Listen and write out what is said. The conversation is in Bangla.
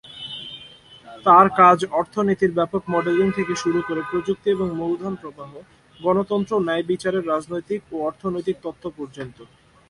তার কাজ অর্থনীতির ব্যাপক মডেলিং থেকে শুরু করে প্রযুক্তি এবং মূলধন প্রবাহ গণতন্ত্র ও ন্যায়বিচারের রাজনৈতিক ও অর্থনৈতিক তত্ত্ব পর্যন্ত।